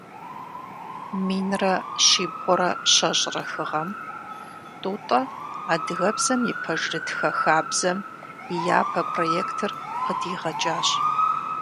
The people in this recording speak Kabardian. Минрэ щибгъурэ щэщӏрэ хы гъэм Тӏутӏэ адыгэбзэм и пэжырытхэ хабзэм и япэ проектыр къыдигъэкӏащ.